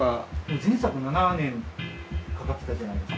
前作７年かかってたじゃないですか。